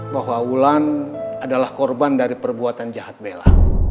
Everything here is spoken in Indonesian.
bahwa wulan adalah korban dari perbuatan jahat bela